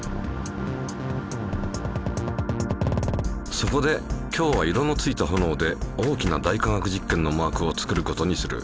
そこで今日は色のついた炎で大きな「大科学実験」のマークを作ることにする。